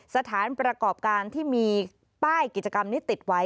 สถานประกอบการที่มีป้ายกิจกรรมนี้ติดไว้